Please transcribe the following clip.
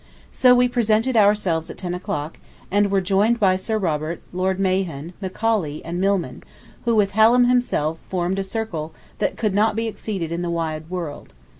So we presented ourselves at ten o'clock, and were joined by Sir Robert, Lord Mahon, Macaulay, and Milman, who with Hallam himself, formed a circle that could not be exceeded in the wide world.